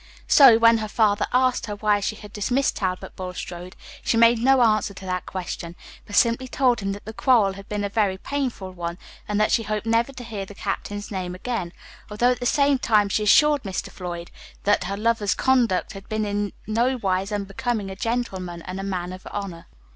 So, when her father asked her why she had dismissed Talbot Bulstrode, she made no answer to that question, but simply told him that the quarrel had been a very painful one, and that she hoped never to hear the captain's name again, although at the same time she assured Mr. Floyd that her lover's conduct had been in nowise unbecoming a gentleman and a man of honor.